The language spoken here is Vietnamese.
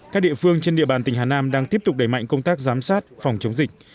các địa phương trên địa bàn tỉnh hà nam đang tiếp tục đẩy mạnh công tác giám sát phòng chống dịch